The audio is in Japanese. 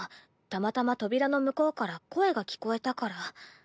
たまたま扉の向こうから声が聞こえたから。